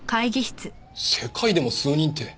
世界でも数人って。